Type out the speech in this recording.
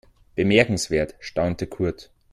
Bemerkenswert, staunte Kurt.